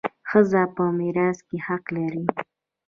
ښځه په میراث کي حق لري.